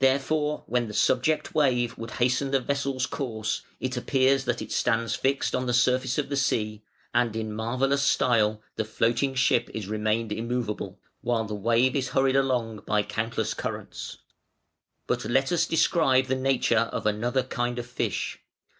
Therefore when the subject wave would hasten the vessel's course, it appears that it stands fixed on the surface of the sea: and in marvellous style the floating ship is retained immovable, while the wave is hurried along by countless currents. "But let us describe the nature of another kind of fish.